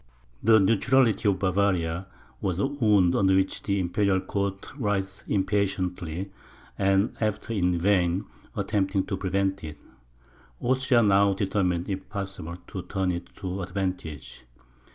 The neutrality of Bavaria, was a wound under which the Imperial court writhed impatiently; and after in vain attempting to prevent it, Austria now determined, if possible, to turn it to advantage.